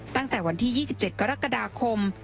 ตั้งแต่วันที่๒๗กรกฎาคม